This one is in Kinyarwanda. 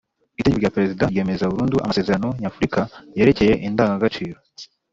itegeko rya perezida ryemeza burundu amasezerano nyafurika yerekeye indangagaciro